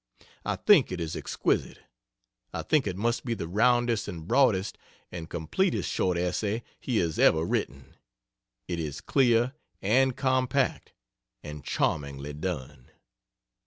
I think it is exquisite. I think it must be the roundest and broadest and completest short essay he has ever written. It is clear, and compact, and charmingly done.